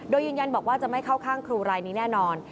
โดยยืนยันบอกว่าจะไม่เข้าข้างครูรายนี้แน่นอน